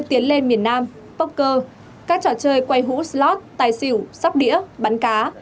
tiến lên miền nam poker các trò chơi quay hũ slot tài xỉu sóc đĩa bắn cá